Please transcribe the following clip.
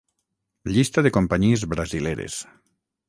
Llista de companyies brasileres.